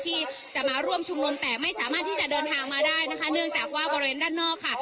ที่จะมาร่วมชุมนุมแต่ไม่สามารถที่จะเดินทางมาได้นะคะเนื่องจากว่าบริเวณด้านนอกค่ะ